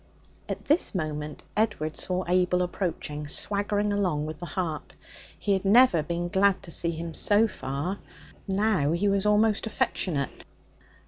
At this moment Edward saw Abel approaching, swaggering along with the harp. He had never been glad to see him so far; now he was almost affectionate.